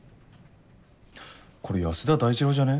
これ安田大二郎じゃね？